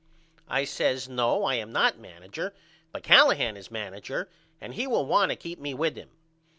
I says No I am not manager but Callahan is manager and he will want to keep me with him.